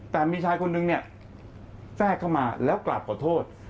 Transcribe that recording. แต่มีชายคนนึงเนี่ยแทรกเข้ามาแล้วกราบขอโทษ